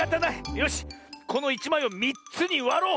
よしこの１まいを３つにわろう！